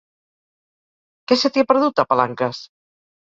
Què se t'hi ha perdut, a Palanques?